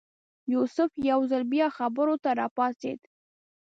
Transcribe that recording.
یوسف یو ځل بیا خبرو ته راپاڅېد.